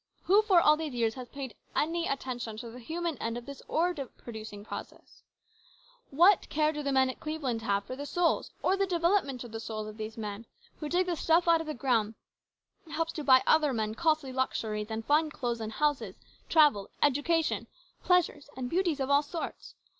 Who, for all these years, has paid any attention to the human end of this ore producing business ? What care do the men at Cleveland have for the souls, or the development of the souls of these men, who dig the stuff out of the ground that helps to buy other men costly luxuries, and fine clothes and houses, travel, education, pleasures, and beauties of all sorts